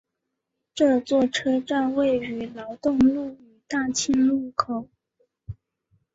这座车站位于劳动路与大庆路口。